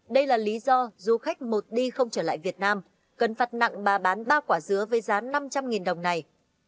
đây là lý do du khách một đi không trở lại việt nam cần phạt nặng bà bán ba quả dứa với giá năm trăm linh đồng này